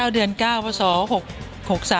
๙เดือน๙พอสอ๖